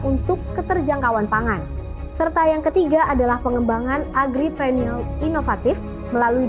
untuk keterjangkauan pangan serta yang ketiga adalah pengembangan agri premium inovatif melalui